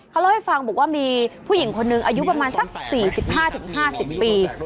เขาเล่าให้ฟังบอกว่ามีผู้หญิงคนนึงอายุประมาณสักสี่สิบห้าถึงห้าสิบปี